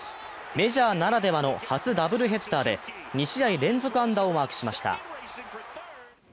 メジャーならではの初ダブルヘッダーで２試合連続安打をマークしました。